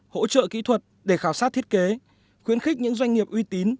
hỗ trợ kỹ thuật để khảo sát thiết kế khuyến khích những doanh nghiệp uy tín